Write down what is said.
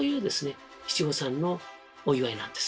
七五三のお祝いなんです。